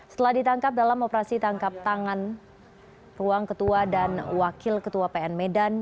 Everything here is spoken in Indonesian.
setelah ditangkap dalam operasi tangkap tangan ruang ketua dan wakil ketua pn medan